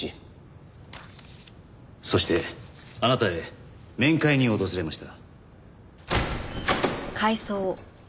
そしてあなたへ面会に訪れました。